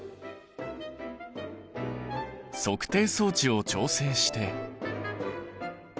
測定装置を調整して。